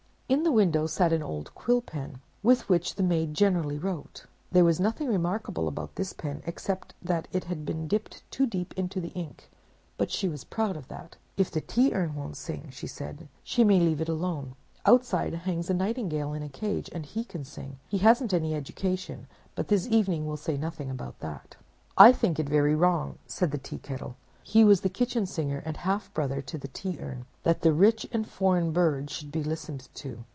"In the window sat an old Quill Pen, with which the maid generally wrote: there was nothing remarkable about this pen, except that it had been dipped too deep into the ink, but she was proud of that. 'If the Tea Urn won't sing,' she said, 'she may leave it alone. Outside hangs a nightingale in a cage, and he can sing. He hasn't had any education, but this evening we'll say nothing about that.' "'I think it very wrong,' said the Teakettle—he was the kitchen singer, and half brother to the Tea Urn—'that that rich and foreign bird should be listened to.